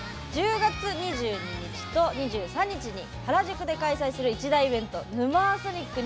１０月２２日と２３日に原宿で開催する一大イベント「ヌマーソニック２０２２」。